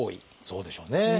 そうでしょうね。